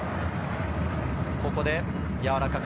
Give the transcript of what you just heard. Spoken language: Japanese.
ここでやわらかく。